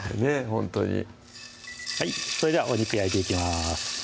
ほんとにそれではお肉焼いていきます